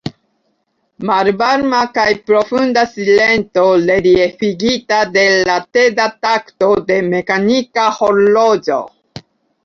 Malvarma kaj profunda silento, reliefigita de la teda takto de mekanika horloĝo.